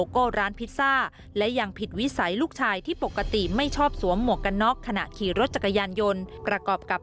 คุยแต่เจ้าตัวไม่ยอมสวบตา